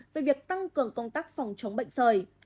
về việc tăng cường công tác phòng chống bệnh sởi